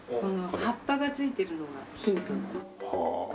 葉っぱが付いてるのがヒントになる。